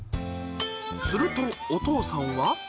するとお父さんは。